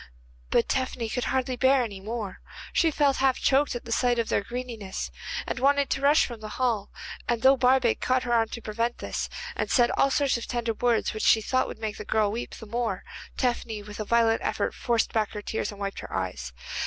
But Tephany could hardly bear any more. She felt half choked at the sight of their greediness, and wanted to rush from the hall, and though Barbaik caught her arm to prevent this, and said all sorts of tender words which she thought would make the girl weep the more, Tephany with a violent effort forced back her tears, and wiped her eyes.